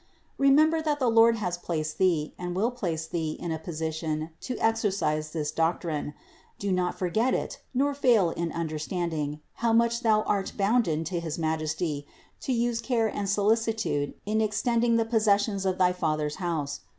Remember that the Lord has placed thee, and will place thee in a position to exercise this doctrine. Do not forget it, nor fail in understanding, how much thou art bounden to his Majesty to use care and solicitude in extending the possessions of thy Father's house.